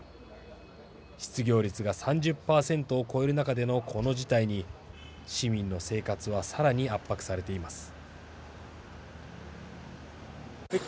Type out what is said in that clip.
失業率が３０％を超える中でのこの事態に市民の生活はさらに圧迫されています。